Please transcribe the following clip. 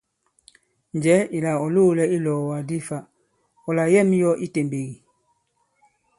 Njɛ̀ɛ ìlà ɔ̀ loōlɛ i ilɔ̀ɔ̀wàk di fa, ɔ̀ làyɛ᷇m yɔ i itèmbèk ì?